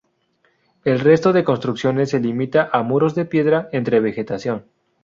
El resto de construcciones se limita a muros de piedra entre vegetación.